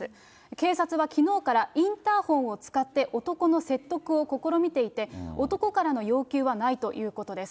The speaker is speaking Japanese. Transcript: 警察はきのうからインターホンを使って、男の説得を試みていて、男からの要求はないということです。